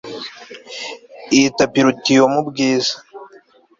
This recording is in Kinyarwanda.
Iyi tapi iruta iyo mu bwiza